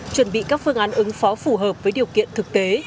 chuẩn bị các phương án ứng phó phù hợp với điều kiện thực tế